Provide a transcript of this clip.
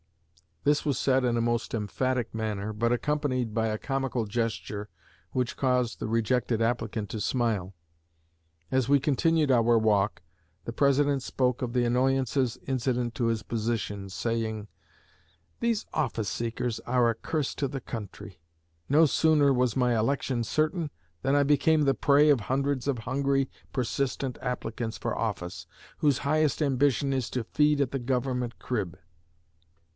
This was said in a most emphatic manner, but accompanied by a comical gesture which caused the rejected applicant to smile. As we continued our walk, the President spoke of the annoyances incident to his position, saying: 'These office seekers are a curse to the country; no sooner was my election certain, than I became the prey of hundreds of hungry, persistent applicants for office, whose highest ambition is to feed at the Government crib.'